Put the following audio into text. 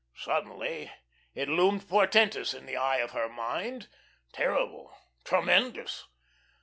Suddenly it loomed portentous in the eye of her mind, terrible, tremendous.